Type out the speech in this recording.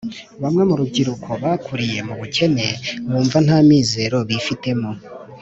Bamwe mu rubyiruko bakuriye mu bukene bumva nta mizero bifitemo